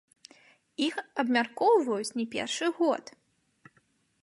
Іх абмяркоўваюць не першы год.